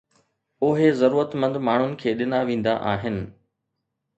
اهي ضرورتمند ماڻهن کي ڏنا ويندا آهن